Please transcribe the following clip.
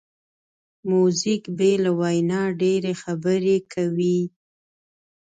موزیک بې له وینا ډېری خبرې کوي.